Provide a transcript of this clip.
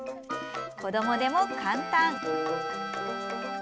子どもでも簡単。